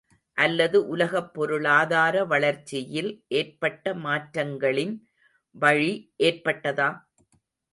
அல்லது உலகப் பொருளாதார வளர்ச்சியில் ஏற்பட்ட மாற்றங்களின் வழி ஏற்பட்டதா?